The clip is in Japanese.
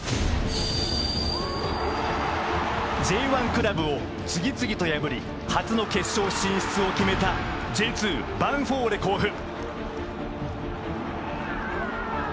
Ｊ１クラブを次々と破り初の決勝進出を決めたＪ２、ヴァンフォーレ甲府。